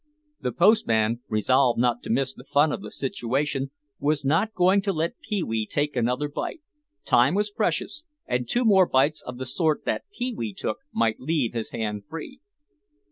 The postman, resolved not to miss the fun of the situation, was not going to let Pee wee take another bite; time was precious, and two more bites of the sort that Pee wee took might leave his hand free.